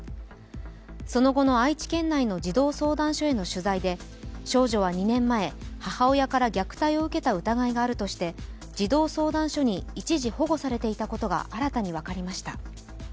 その後の愛知県内の児童相談所への取材で少女は２年前、母親から虐待を受けた疑いがあるとして、児童相談所に一時保護されていたことが新たに分かりました。